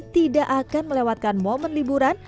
tidak akan melewatkan momen liburan